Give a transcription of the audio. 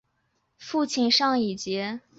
父亲向以节。